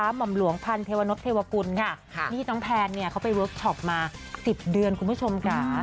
ห่อมหลวงพันเทวนพเทวกุลค่ะนี่น้องแพนเนี่ยเขาไปเวิร์คชอปมา๑๐เดือนคุณผู้ชมค่ะ